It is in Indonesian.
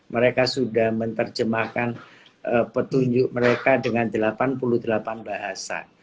mereka sudah menerjemahkan petunjuk mereka dengan delapan puluh delapan bahasa